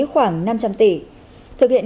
khoảng năm trăm linh tỷ thực hiện